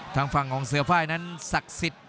ทางฝั่งของเสือไฟล์นั้นศักดิ์สิทธิ์